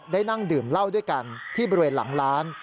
นั่งดื่มเหล้าด้วยกันที่บริเวณหลังร้าน